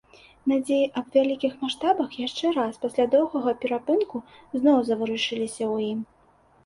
Надзеі аб вялікіх маштабах яшчэ раз, пасля доўгага перапынку, зноў заварушыліся ў ім.